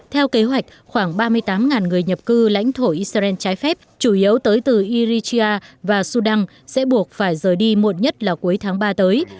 theo kế hoạch khoảng ba mươi tám người nhập cư lãnh thổ israel trái phép chủ yếu tới từ irichia và sudan sẽ buộc phải rời đi muộn nhất là cuối tháng ba tới